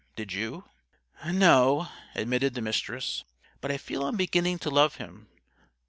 Did you?" "No," admitted the Mistress. "But I feel I'm beginning to love him.